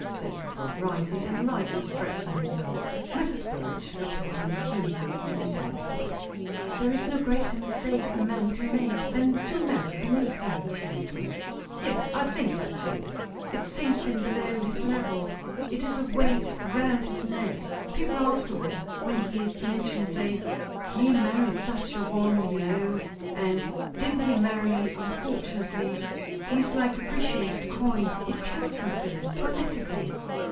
said her brother, rising and lightly stretching himself. Mrs. Burrage looked at him keenly and doubtfully. "There is no greater mistake a man can make, than to marry beneath him," she went on. "Yes, I think that too." "It sinks him below his level; it is a weight round his neck; people afterwards, when he is mentioned say, 'He married such a one, you know;' and, 'Didn't he marry unfortunately?' He is like depreciated coin. It kills him, Philip, politically."